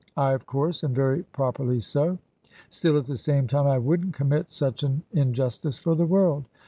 I, of course, and very properly so. Still, at the same time, I wouldn't commit such an in justice for the world.